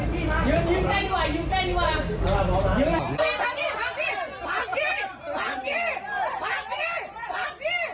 พักหน้าพักหน้าพักมาพักมา